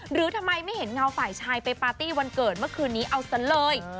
หรือทำไมไม่เห็นเงาฝ่ายชายไปปาร์ตี้วันเกิดเมื่อคืนนี้เอาซะเลย